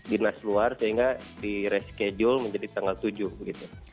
dinas luar sehingga di reschedule menjadi tanggal tujuh gitu